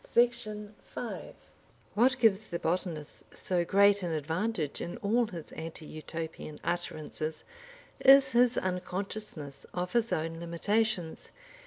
Section 5 What gives the botanist so great an advantage in all his Anti Utopian utterances is his unconsciousness of his own limitations.